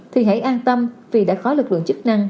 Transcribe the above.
thì hãy an tâm vì đã có lực lượng chức năng